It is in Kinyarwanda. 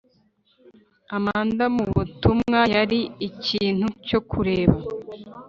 amanda mub utumwa yari ikintu cyo kureba